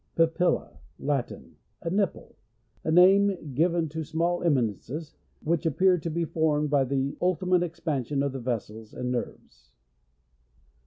Papilla. — Latin. A nipple. A name < given to small eminences, which! appear to be formed by the ulti mate expansion of the vessels andj nerves.